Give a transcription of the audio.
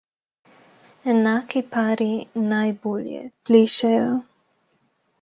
Enaki pari najbolje plešejo.